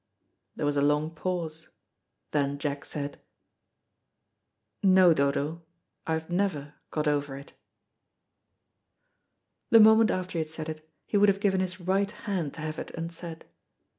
There was a long pause. Then Jack said, "No, Dodo, I have never got over it." The moment after he had said it, he would have given his right hand to have it unsaid.